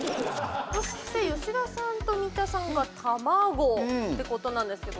そして吉田さんと三田さんが卵ってことなんですけど。